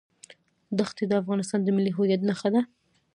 دښتې د افغانستان د ملي هویت نښه ده.